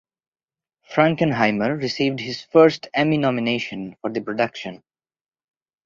Frankenheimer received his first Emmy nomination for the production.